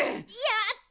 やった！